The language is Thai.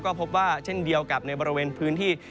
ก็พบว่าเช่นเดียวกับในบริเวณพื้นที่